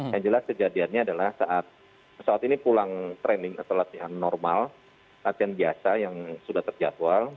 yang jelas kejadiannya adalah saat pesawat ini pulang training atau latihan normal latihan biasa yang sudah terjadwal